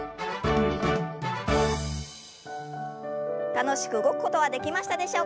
楽しく動くことはできましたでしょうか。